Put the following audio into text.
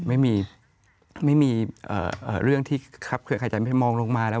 ไม่มีเรื่องที่คับเครื่องขายจะไม่มองลงมาแล้ว